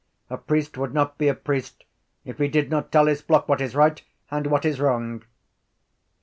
A priest would not be a priest if he did not tell his flock what is right and what is wrong.